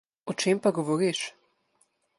O čem pa govoriš?